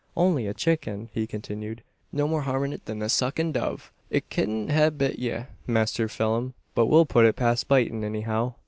"Only a chicken!" he continued: "no more harm in it than in a suckin' dove. It kedn't ha' bit ye, Mister Pheelum; but we'll put it past bitin', anyhow."